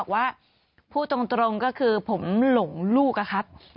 ๗วันแรก